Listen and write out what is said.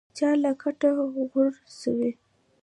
چا له کټه غورځوي.